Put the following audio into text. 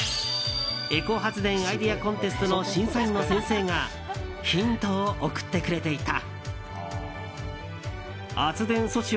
エコ発電アイディアコンテストの審査員の先生がヒントを送ってくれていた。